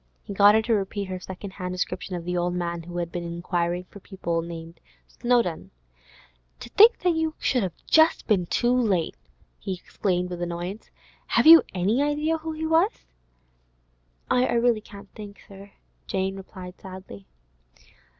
He got her to repeat her second hand description of the old man who had been inquiring for people named Snowdon. 'To think that you should have been just too late!' he exclaimed with annoyance. 'Have you any idea who he was?' 'I can't think, sir,' Jane replied sadly.